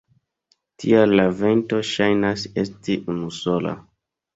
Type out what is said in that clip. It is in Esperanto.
Tial la vento ŝajnas esti unusola.